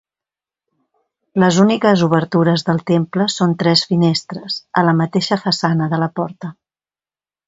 Les úniques obertures del temple són tres finestres, a la mateixa façana de la porta.